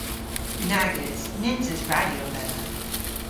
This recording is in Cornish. Nag eus. Nyns eus radyo dhedha.